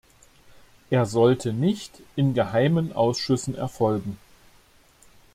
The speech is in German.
Er sollte nicht in geheimen Ausschüssen erfolgen.